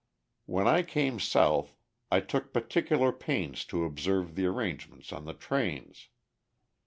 When I came South, I took particular pains to observe the arrangement on the trains.